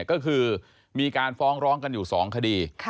ก็คือมีการฟ้องร้องกันอยู่๒คดี